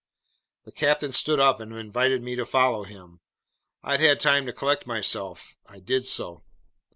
The captain stood up and invited me to follow him. I'd had time to collect myself. I did so.